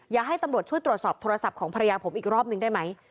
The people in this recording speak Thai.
อยากให้ตำรวจช่วยตรวจสอบโทรศัพท์ของภรรยาผมอีกรอบนึงได้ไหม